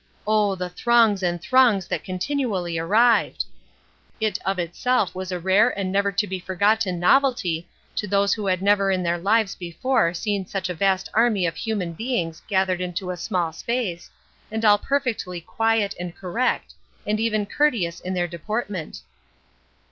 Oh, the throngs and throngs that continually arrived! It of itself was a rare and never to be forgotten novelty to those who had never in their lives before seen such a vast army of human beings gathered into a small space, and all perfectly quiet and correct, and even courteous in their deportment.